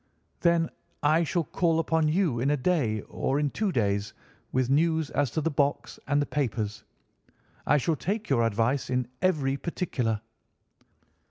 "Then I shall call upon you in a day, or in two days, with news as to the box and the papers. I shall take your advice in every particular."